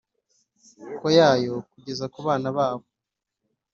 ko yayo kugeza ku bana babo